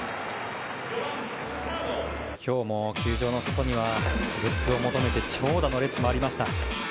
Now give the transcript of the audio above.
今日も球場の外にはグッズを求めて長蛇の列がありました。